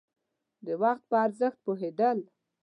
د وخت په ارزښت پوهېدل.